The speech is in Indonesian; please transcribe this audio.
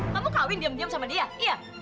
kamu kawin diam diam sama dia iya